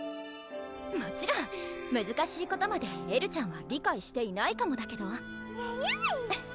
もちろんむずかしいことまでエルちゃんは理解していないかもだけどえるぅ